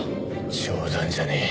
冗談じゃねえ。